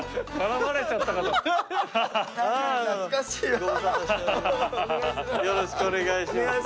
よろしくお願いします。